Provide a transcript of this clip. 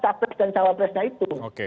capres dan cawapresnya itu